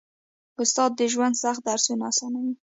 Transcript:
استاد د ژوند سخت درسونه اسانوي.